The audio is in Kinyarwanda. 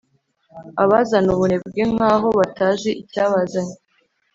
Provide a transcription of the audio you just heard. abazana ubunebwe nkaho batazi icyabazanye